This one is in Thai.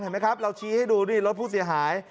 ไหมครับเราชี้ให้ดูดิรถผู้เสียหาย